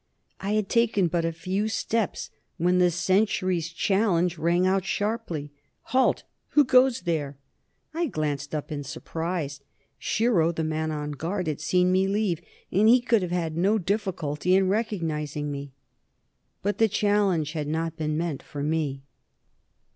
I had taken but a few steps when the sentry's challenge rang out sharply, "Halt! Who goes there?" I glanced up in surprise. Shiro, the man on guard, had seen me leave, and he could have had no difficulty in recognizing me. But the challenge had not been meant for me.